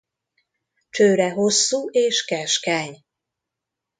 Csőre hosszú és keskeny.